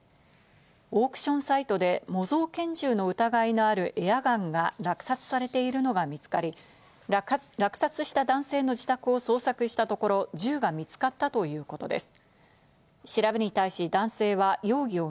オークションサイトで模造拳銃の疑いのあるエアガンが落札されているのが見つかり、落札した男性の自宅を捜索したところ、お天気です。